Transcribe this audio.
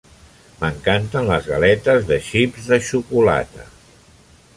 M'encanten les galetes de xips de xocolata.